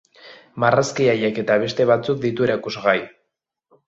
Marrazki haiek eta beste batzuk ditu erakusgai.